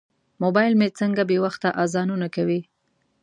موبایل مې څنګه بې وخته اذانونه کوي.